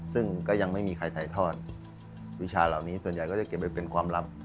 ซึ่งก็ยังไม่มีใครถ่ายทอดวิชาเหล่านี้ส่วนใหญ่ก็จะเก็บไปเป็นความลับ